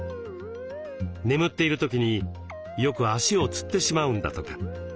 眠っている時によく足をつってしまうんだとか。